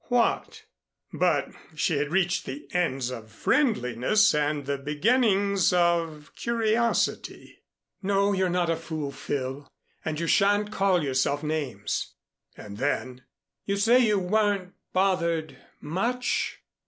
What but she had reached the ends of friendliness and the beginnings of curiosity. "No, you're not a fool, Phil. You sha'n't call yourself names." And then, "You say you weren't bothered much?"